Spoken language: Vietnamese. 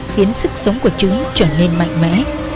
khiến sức sống của trứng trở nên mạnh mẽ